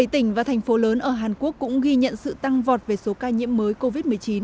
một mươi tỉnh và thành phố lớn ở hàn quốc cũng ghi nhận sự tăng vọt về số ca nhiễm mới covid một mươi chín